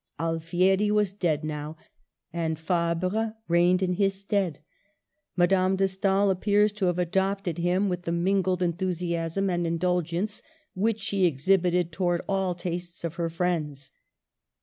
Alfieri was dead now, and Fabre reigned in his stead. Madame de Stael appears to have adopted him with the mingled enthusiasm and indulgence which she exhibited towards all the tastes of her friends.